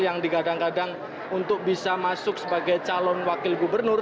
yang digadang gadang untuk bisa masuk sebagai calon wakil gubernur